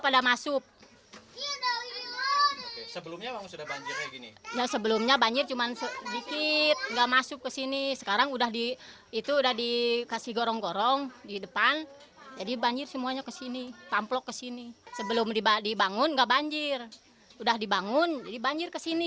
dibangun nggak banjir udah dibangun jadi banjir kesini